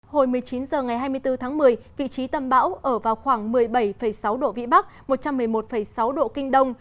hồi một mươi chín h ngày hai mươi bốn tháng một mươi vị trí tâm bão ở vào khoảng một mươi bảy sáu độ vĩ bắc một trăm một mươi một sáu độ kinh đông